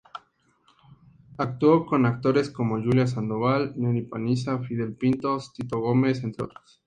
Actuó con actores como Julia Sandoval, Nelly Panizza, Fidel Pintos, Tito Gómez, entre otros.